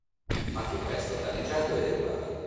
Ma fu presto danneggiato e derubato.